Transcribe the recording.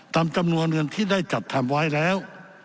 ตามจำนวนเงินที่ได้จัดทำไว้แล้ว